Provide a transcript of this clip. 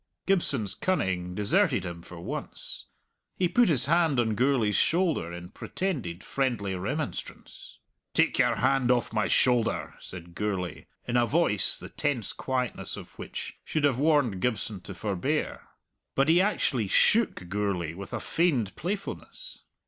Gibson's cunning deserted him for once. He put his hand on Gourlay's shoulder in pretended friendly remonstrance. "Take your hand off my shouther!" said Gourlay, in a voice the tense quietness of which should have warned Gibson to forbear. But he actually shook Gourlay with a feigned playfulness.